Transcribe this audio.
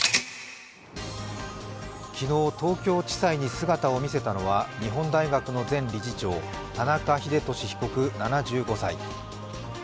昨日、東京地裁に姿を見せたのは日本大学の前理事長・田中英寿被告７５歳。